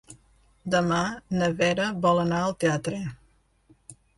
Demà na Vera vol anar al teatre.